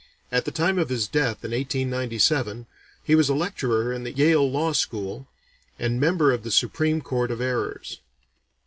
At the time of his death in 1897, he was a lecturer in the Yale Law School, and member of the Supreme Court of Errors.